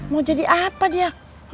mau jadi apa dia